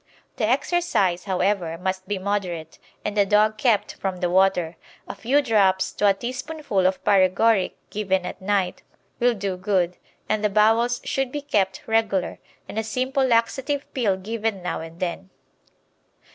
The exercise, however, must be moderate, and the dog kept from the water. A few drops to a teaspoonful of paregoric, given at night, will do good, and the bowels should be kept regular, and a simple laxative pill given now and then.